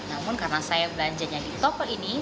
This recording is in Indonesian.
namun karena saya belanjanya di toko ini